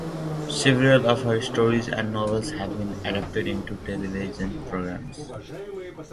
Several of her stories and novels have been adapted into television programs.